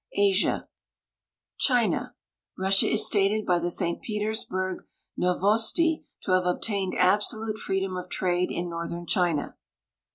ASIA China. Russia is stated by the St. Petersburg NovoMi to have obtained absolute freedom of trade in northern China.